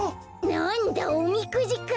なんだおみくじか！